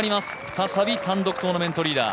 再び単独トーナメントリーダー。